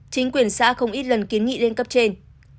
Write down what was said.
chính quyền xã không ít lần kiến nghị lên cấp trên